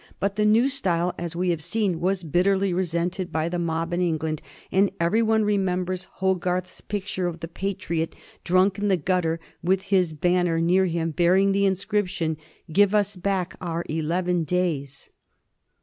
But the new style, as we have said, was bitterly resented by the mob in England, and every one remembers Hogarth's picture of the patriot drunk in the gutter with his banner near him bearing the inscription, "Give us back our eleven days."